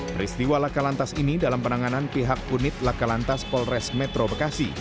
peristiwa lakalantas ini dalam penanganan pihak punit lakalantas polres metro bekasi